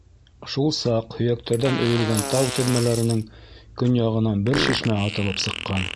Шул саҡ һөйәктәрҙән өйөлгән тау теҙмәләренең көньяғынан бер шишмә атылып сыҡҡан.